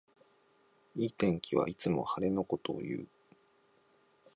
いい天気はいつも晴れのことをいう